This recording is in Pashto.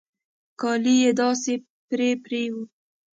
کالي يې داسې پرې پرې وو.